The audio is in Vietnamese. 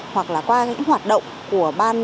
hoặc là qua những hoạt động của